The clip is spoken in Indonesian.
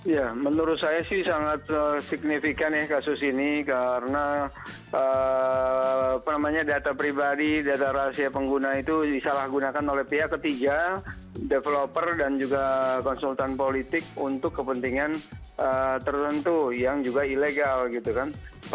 ya menurut saya sih sangat signifikan ya kasus ini karena data pribadi data rahasia pengguna itu disalahgunakan oleh pihak ketiga developer dan juga konsultan politik untuk kepentingan tertentu yang juga ilegal gitu kan